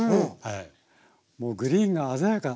もうグリーンが鮮やか。